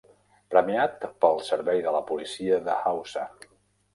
Premiat pel servei de la policia de Hausa.